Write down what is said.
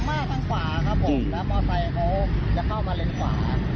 มาทางขวาครับผมแล้วมอเซเขาจะเข้ามาเลนขวา